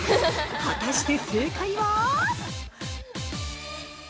◆果たして正解は？